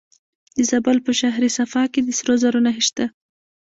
د زابل په شهر صفا کې د سرو زرو نښې شته.